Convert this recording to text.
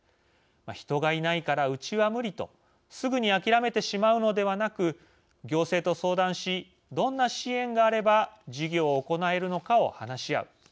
人がいないから、うちは無理とすぐに諦めてしまうのではなく行政と相談しどんな支援があれば事業を行えるのかを話し合う。